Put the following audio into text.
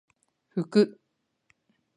ふく